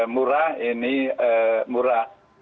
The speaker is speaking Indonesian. murah ini murah